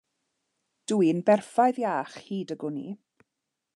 Dw i'n berffaith iach hyd y gwn i.